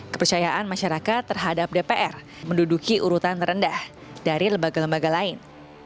kepercayaan masyarakat terhadap dpr menduduki urutan terendah dari lembaga lembaga lain